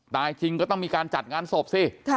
จริงก็ต้องมีการจัดงานศพสิ